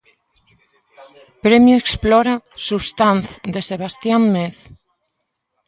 Premio Explora: Substanz, de Sebastian Mez.